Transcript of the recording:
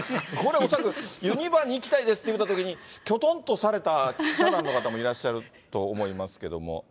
これ、恐らくユニバに行きたいですって言ったときに、きょとんとされた記者団の方もいらっしゃると思いますけども。